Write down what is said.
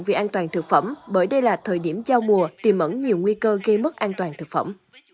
vì an toàn thực phẩm bởi đây là thời điểm giao mùa tìm ẩn nhiều nguy cơ gây mất an toàn thực phẩm